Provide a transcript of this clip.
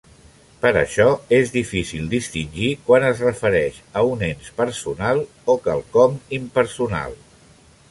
Per això és difícil distingir quan es refereix a un ens personal o quelcom impersonal.